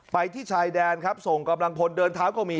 ที่ชายแดนครับส่งกำลังพลเดินเท้าก็มี